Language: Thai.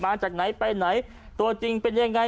มาจากไหนไปไหนตัวจริงเป็นยังไง